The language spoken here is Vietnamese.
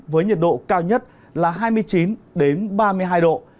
với nhiệt độ cao nhất là hai mươi chín ba mươi hai độ